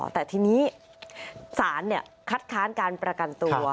แต่ทีนี้ศาลคัดค้านการประกันตัว